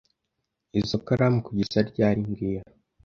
Izoi karamu kugeza ryari mbwira